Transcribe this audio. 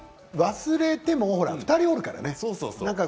忘れても２人いるからね。